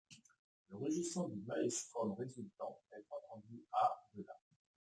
Le rugissant du maelstrom résultant peut être entendu à de là.